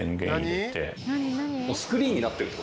スクリーンになってるって事。